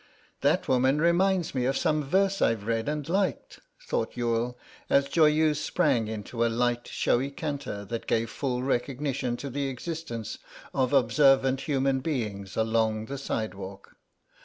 "That woman reminds me of some verse I've read and liked," thought Youghal, as Joyeuse sprang into a light showy canter that gave full recognition to the existence of observant human beings along the side walk.